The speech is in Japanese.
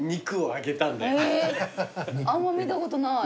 あんま見たことない。